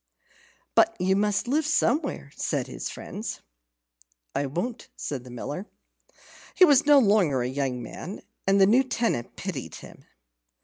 "But you must live somewhere," said his friends. "I won't," said the Miller. He was no longer a young man, and the new tenant pitied him.